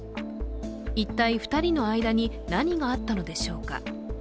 一体、２人の間に何があったのでしょうか。